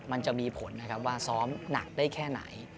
มันจะมีผลนะครับว่าซ้อมหนักได้แค่ไหน